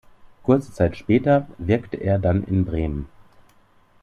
Kurze Zeit später wirkte er dann in Bremen.